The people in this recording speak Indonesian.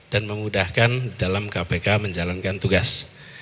dan memudahkan dalam kpk menjalankan tugas